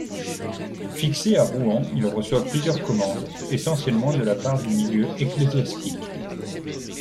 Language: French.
Fixé à Rouen, il reçoit plusieurs commandes, essentiellement de la part du milieu ecclésiastique.